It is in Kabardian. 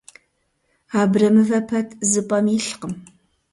Абрэмывэ пэт зы пӀэм илъкъым.